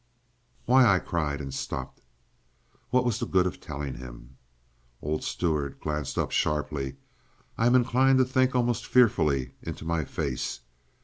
"Why!" cried I—and stopped. What was the good of telling him? Old Stuart had glanced up sharply, I am inclined to think almost fearfully, into my face.